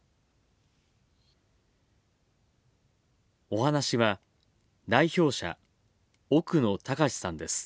お話しは、代表者奥野卓志さんです。